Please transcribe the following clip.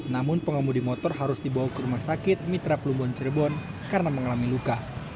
namun pengemudi motor harus dibawa ke rumah sakit mitra pelumbon cirebon karena mengalami luka